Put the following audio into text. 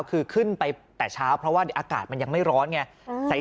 คือขึ้นไปแต่เช้าเพราะว่าอากาศมันยังไม่ร้อนไง